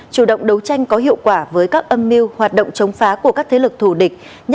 chủ động đấu tranh có hiệu quả với các âm mưu hoạt động chống phá của các thế lực thù địch